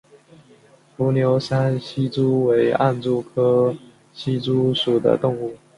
伏牛山隙蛛为暗蛛科隙蛛属的动物。